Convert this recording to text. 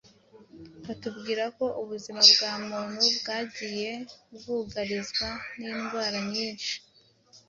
batubwira ko ubuzima bwa muntu bwagiye bwugarizwa n’indwara nyinshi